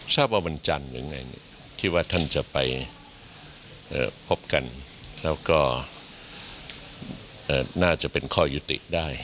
ทราบว่าวันจันทร์หรือไงที่ว่าท่านจะไปพบกันแล้วก็น่าจะเป็นข้อยุติได้